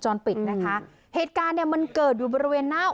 จริงจรปิดนะคะเหตุการณ์มันเกิดอยู่บริเวณหน้า